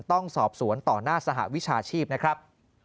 ต้องสอบสวนต่อหน้าสหวิชาชีพนะครับ